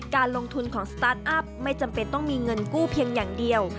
การลงทุนของสตาร์ทอัพไม่จำเป็นต้องมีเงินกู้เพียงอย่างเดียว